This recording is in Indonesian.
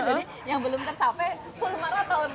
jadi yang belum tercapai full marathon